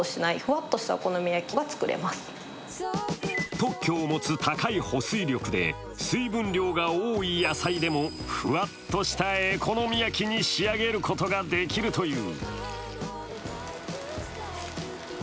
特許を持つ高い保水力で水分量が多い野菜でもふわっとしたエコのみ焼きに仕上げることができるという。